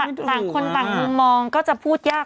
ต่างคนต่างมุมมองก็จะพูดยาก